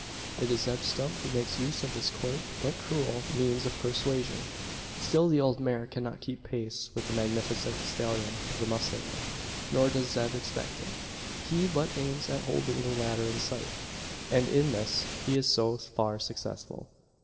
It is Zeb Stump who makes use of this quaint, but cruel, means of persuasion. Still the old mare cannot keep pace with the magnificent stallion of the mustanger. Nor does Zeb expect it. He but aims at holding the latter in sight; and in this he is so far successful.